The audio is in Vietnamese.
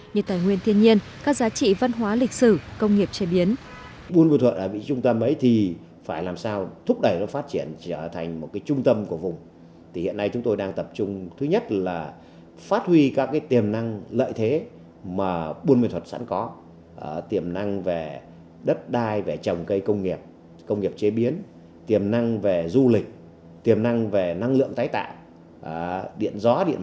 như tài nguyên thiên nhiên các giá trị văn hóa lịch sử công nghiệp chế biến